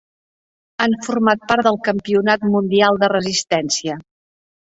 Han format part del Campionat Mundial de Resistència.